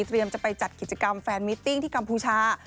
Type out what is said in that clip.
จะไปจัดกิจกรรมแฟนมิตติ้งที่กัมพูชา